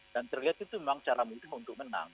dan terlihat itu memang cara mudah untuk menang